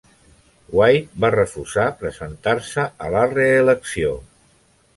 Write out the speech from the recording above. White va refusar presentar-se a la reelecció.